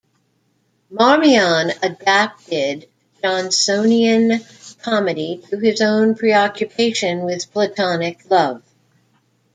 Marmion adapted Jonsonian comedy to his own preoccupation with Platonic love.